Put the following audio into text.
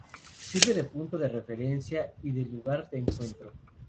Sirve de punto de referencia y de lugar de encuentro.